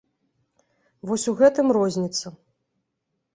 Вось у гэтым розніца.